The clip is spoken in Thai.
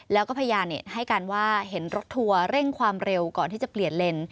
แล้วก็พยานให้การว่าเห็นรถทัวร์เร่งความเร็วก่อนที่จะเปลี่ยนเลน